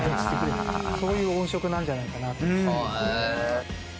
そういう音色なんじゃないかなと思って。